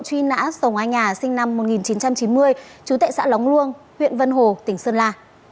truy nã sồng anh nhà sinh năm một nghìn chín trăm chín mươi chú tệ xã lóng luông huyện vân hồ tỉnh sơn la